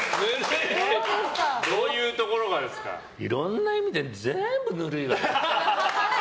いろんな意味で全部ヌルいわよ。